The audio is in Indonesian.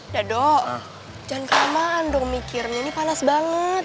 dado jangan kelamaan dong mikirnya ini panas banget